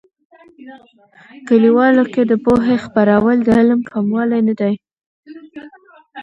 کلیوالو کې د پوهې خپرول، د علم کموالی نه دي.